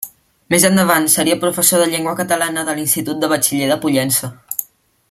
Més endavant seria professor de llengua catalana a l'Institut de Batxiller de Pollença.